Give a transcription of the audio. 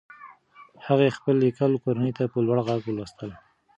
هغې خپل لیکل کورنۍ ته په لوړ غږ لوستل.